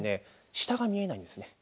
下が見えないんですね。